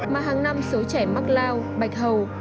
mà hàng năm số trẻ mắc lao bạch hầu